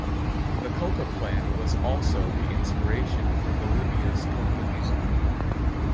The coca plant was also the inspiration for Bolivia's Coca Museum.